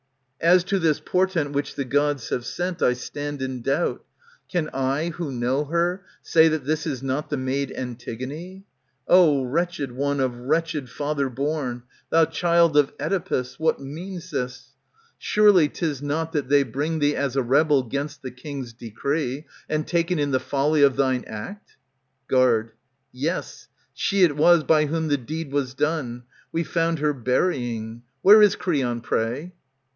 As to this portent which the Gods have sent, I stand in doubt. Can I, who know her, say That this is not the maid Antigone ? 0 wretched one of wretched father born, ^ Thou child of CEdipus, What means this ? Surely 'tis not that they bring Thee as a rebel 'gainst the king's decree. And taken in the folly of thine act ? Guard. Yes ! She it was by whom the deed was done. We found her burying. Where is Creon, pray